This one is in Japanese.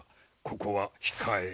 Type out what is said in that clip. ここは控えい。